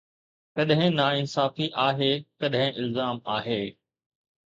ڪڏهن ناانصافي آهي، ڪڏهن الزام آهي